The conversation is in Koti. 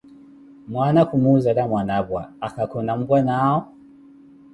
Mwaana ku muuzela Mwanapwa: Aka khuna mpwanaawo?